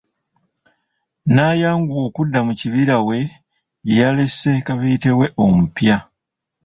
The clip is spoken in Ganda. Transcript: N'ayanguwa okudda mu kibira we gyeyalese kabiite we omupya.